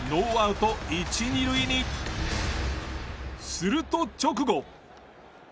すると直後。